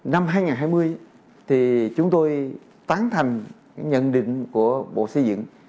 năm hai nghìn hai mươi thì chúng tôi tán thành nhận định của bộ xây dựng